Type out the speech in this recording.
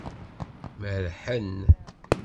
Merrḥen.